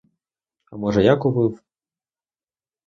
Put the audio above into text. А може, я купив?